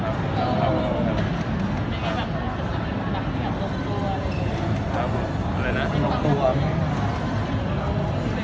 ก็ไม่ไหวพูดกับเค้าแบบนี้เลย